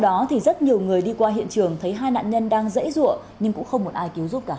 đó thì rất nhiều người đi qua hiện trường thấy hai nạn nhân đang dễ dụa nhưng cũng không muốn ai cứu